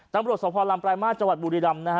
ตำรวจสวทธิ์ลำปรายมาสจังหวัดบูรีรำนะฮะ